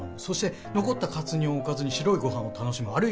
そして残ったカツ煮をおかずに白いご飯を楽しむ。